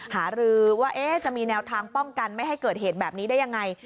หารือว่าจะมีแนวทางป้องกันไม่ให้เกิดเหตุแบบนี้ได้ยังไง